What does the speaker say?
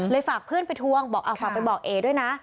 เลยฝากเพื่อนไปทวงฝากไปบอกเอ๊ด้วยนะ